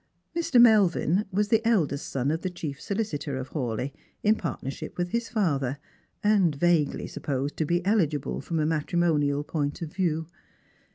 Mr. Melvin was the eldest son of the chief solicitor of Hawleigh, in partnership with his father, and vaguely sup posed to be eligible from a matrimonial point of view.